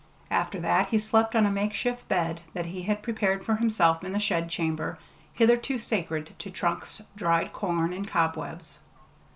After that he slept on a makeshift bed that he had prepared for himself in the shed chamber, hitherto sacred to trunks, dried corn, and cobwebs.